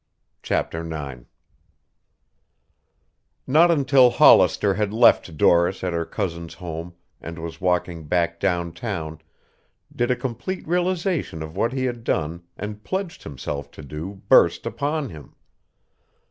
CHAPTER IX Not until Hollister had left Doris at her cousin's home and was walking back downtown did a complete realization of what he had done and pledged himself to do burst upon him.